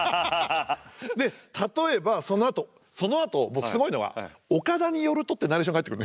で例えばそのあとそのあとすごいのは「岡田によると」ってナレーションが入ってくるのよ。